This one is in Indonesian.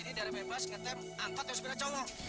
di sini daerah bebas ngetem angkot dan sepeda colong